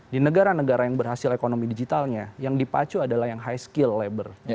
di negara negara yang berhasil ekonomi digitalnya yang dipacu adalah yang high skill labor